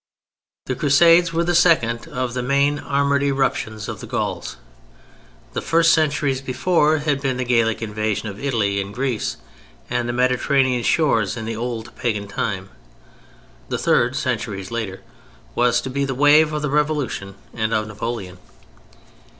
The Crusades were the second of the main armed eruptions of the Gauls. The first, centuries before, had been the Gallic invasion of Italy and Greece and the Mediterranean shores in the old Pagan time. The third, centuries later, was to be the wave of the Revolution and of Napoleon.